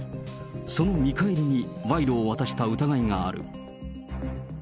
その見返りにわいろを渡した疑いがある。